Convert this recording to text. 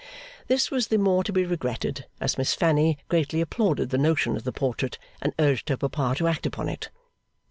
This was the more to be regretted as Miss Fanny greatly applauded the notion of the portrait, and urged her papa to act upon it.